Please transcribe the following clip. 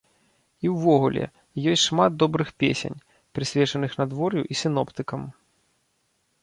І ўвогуле, ёсць шмат добрых песень, прысвечаных надвор'ю і сіноптыкам.